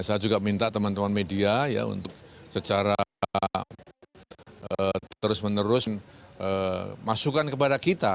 saya juga minta teman teman media untuk secara terus menerus masukkan kepada kita